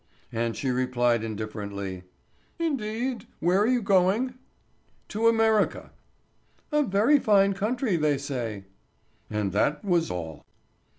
And she replied indifferently: "Indeed. Where are you going?" "To America." "A very fine country, they say." And that was all!